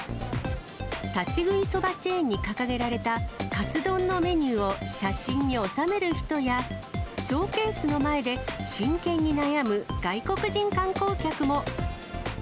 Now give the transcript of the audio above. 立ち食いそばチェーンに掲げられたカツ丼のメニューを写真に収める人や、ショーケースの前で真剣に悩む外国人観光客も。